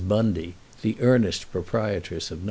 Bundy, the earnest proprietress of No.